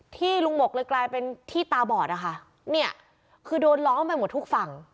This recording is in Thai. ที่ลุงหมกเลยกลายเป็นที่ตาบอดนะคะเนี่ยคือโดนล้อมไปหมดทุกฝั่ง